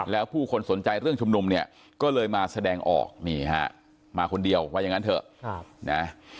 แล้วผู้คนสนใจเรื่องชุมนุมเนี่ยก็เลยมาแสดงออกนี่ฮะมาคนเดียวว่าอย่างนั้นเถอะนะ